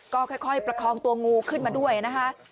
ก็ค่อยประคองตัวงูขึ้นมาด้วยนะคะ